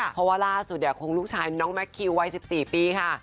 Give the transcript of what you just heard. เพราะว่าล่าสุดเนี่ยคงลูกชายน้องแมคคิววัย๑๔ปีค่ะ